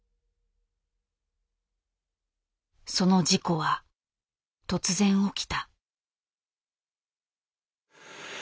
その事故は突然起きた。